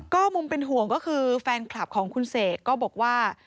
ก็มุมเป็นห่วงก็คือแฟนคลับของคุณเสกก็บอกว่า